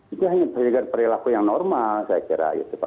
itu hanya perilaku yang normal saya kira